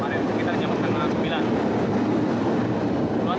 jadi kemarin sekitar jam sembilan tiga puluh